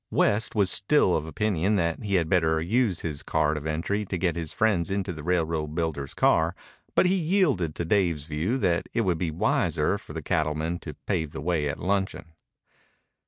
West was still of opinion that he had better use his card of entry to get his friends into the railroad builder's car, but he yielded to Dave's view that it would be wiser for the cattleman to pave the way at luncheon.